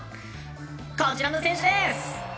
こちらの選手です！